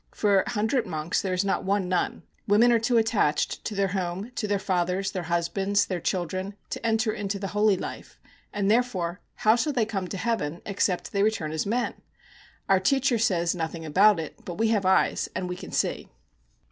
For a hundred monks there is not one nun. Women are too attached to their home, to their fathers, their husbands, their children, to enter into the holy life; and, therefore, how shall they come to heaven except they return as men? Our teacher says nothing about it, but we have eyes, and we can see.'